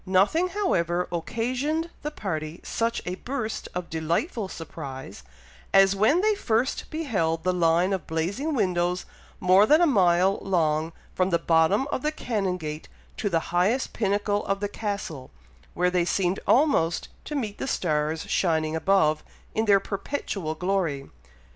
Nothing, however, occasioned the party such a burst of delightful surprise, as when they first beheld the line of blazing windows more than a mile long, from the bottom of the Canongate to the highest pinnacle of the Castle, where they seemed almost to meet the stars shining above, in their perpetual glory.